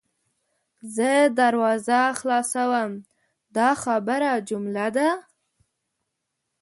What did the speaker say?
زه دروازه خلاصوم – دا خبریه جمله ده.